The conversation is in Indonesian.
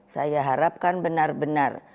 saya harapkan benar benar